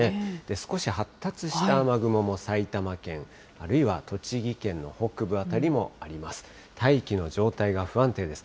少し発達した雨雲も埼玉県、あるいは栃木県の北部辺りにもあります。